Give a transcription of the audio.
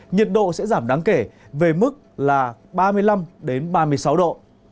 nhiệt độ sẽ giảm đáng kể về mức là ba mươi năm ba mươi sáu độ